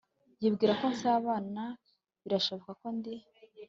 Yibwira ko nsabana Birashoboka ko ndi